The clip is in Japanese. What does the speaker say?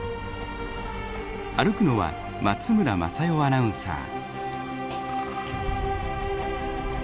歩くのは松村正代アナウンサー。